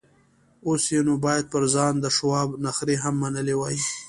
اوس يې نو بايد پر ځان د شواب نخرې هم منلې وای.